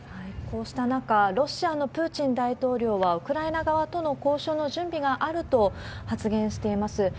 こうした中、ロシアのプーチン大統領は、ウクライナ側との交渉の準備があると発言しています。